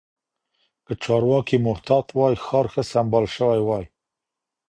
که چارواکي محتاط وای، ښار ښه سمبال شوی وای.